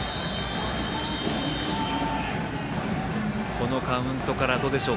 このカウントからどうでしょう。